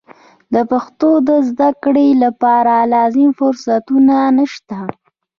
د پښتو د زده کړې لپاره لازم فرصتونه نشته.